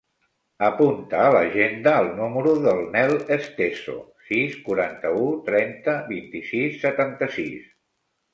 Apunta a l'agenda el número del Nel Esteso: sis, quaranta-u, trenta, vint-i-sis, setanta-sis.